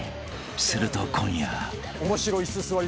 ［すると今夜］